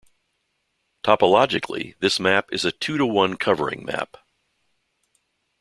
Topologically, this map is a two-to-one covering map.